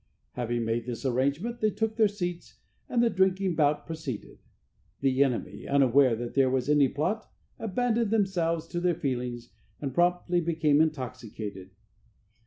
Having made this arrangement they took their seats, and the drinking bout proceeded. The enemy, unaware that there was any plot, abandoned themselves to their feelings, and promptly became intoxicated.